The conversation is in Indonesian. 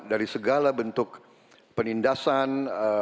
dari segala bentuk penindasan